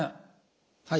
はい。